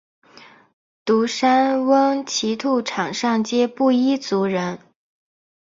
独山翁奇兔场上街布依族人。